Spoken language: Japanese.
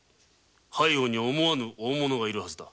背後に思わぬ大物がいるハズだ。